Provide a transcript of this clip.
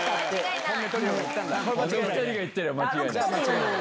あの２人が言ってりゃ間違いない。